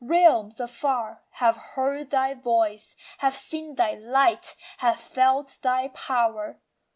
Realms afar Have heard thy voice, have seen thy light, have felt thy power.